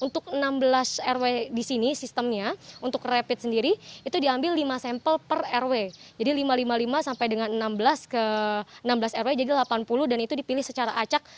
jadi jadi ini tadi saya mengambil lima sampel per rw jadi lima lima lima sampai dengan enam belas rw jadi delapan puluh dan itu dipilih secara acak